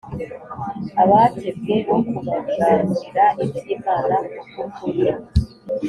abakebwe wo kubagaburira iby Imana ku bw ukuri